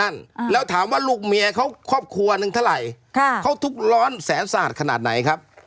อะไรนี้เรื่องอะไร